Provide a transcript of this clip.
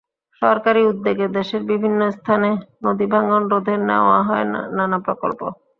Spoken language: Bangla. সরকারি উদ্যোগে দেশের বিভিন্ন স্থানে নদীভাঙন রোধে নেওয়া হয় নানা প্রকল্প।